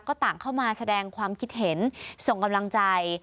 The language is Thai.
ก็ต่างเข้ามาแสดงความคิดเห็นส่งกำลังใจ